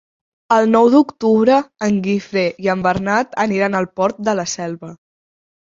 El nou d'octubre en Guifré i en Bernat aniran al Port de la Selva.